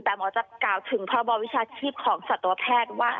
แต่หมอจะกล่าวถึงพรบวิชาชีพของสัตวแพทย์ว่า